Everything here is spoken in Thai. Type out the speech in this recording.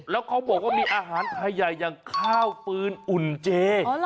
แล้วเขาบอกว่ามีอาหารไทยใหญ่อย่างข้าวฟืนอุ่นเจ